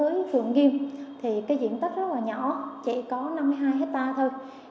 hiện nay đối với phường nghiêm thì cái diện tích rất là nhỏ chỉ có năm mươi hai hectare thôi